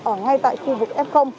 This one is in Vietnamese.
ở ngay tại khu vực f